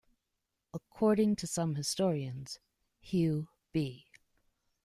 According to some historians, Hugh B.